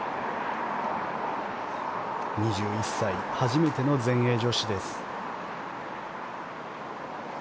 ２１歳初めての全英女子です。